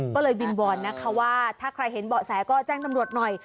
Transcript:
ก็เลยวิงวอนนะคะว่าถ้าใครเห็นเบาะแสก็แจ้งตำรวจหน่อย